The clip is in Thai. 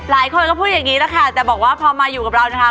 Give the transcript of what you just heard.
หลายคนก็พูดอย่างนี้แหละค่ะแต่บอกว่าพอมาอยู่กับเรานะคะ